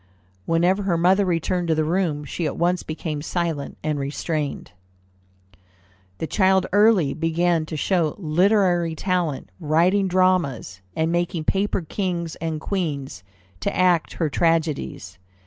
Whenever her mother returned to the room, she at once became silent and restrained. The child early began to show literary talent, writing dramas, and making paper kings and queens to act her tragedies.